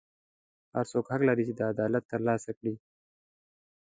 هر څوک حق لري چې عدالت ترلاسه کړي.